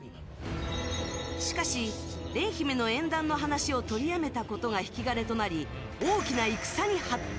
しかし、廉姫の縁談の話を取りやめたことが引き金となり大きな戦に発展！